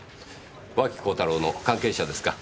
脇幸太郎の関係者ですか？